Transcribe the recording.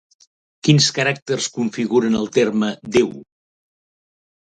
Quins caràcters configuren el terme Déu?